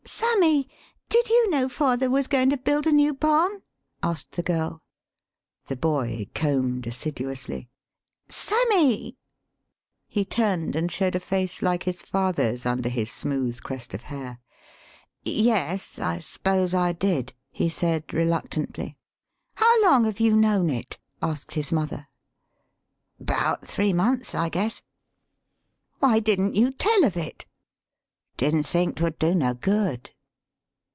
] "Sammy, did you know father was going to build a new barn?" asked the girl. The boy combed assiduously. "Sammy!" [He turned, and showed a face like his father's under his smooth crest of hair.] " Yes, I s'pose I did," he said, reluctantly. "How long have you known it?" asked his mother. " 'Bout three months, I guess." "Why didn't you tell of it?" " Didn't think 'twould do no good."